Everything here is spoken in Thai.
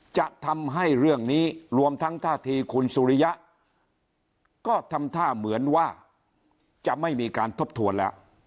จะทำให้เรื่องนี้รวมทั้งท่าทีคุณสุริยะก็ทำท่าเหมือนว่าจะไม่มีการทบทวนแล้ว